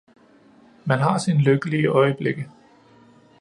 "Man har sine lykkelige Øjeblikke"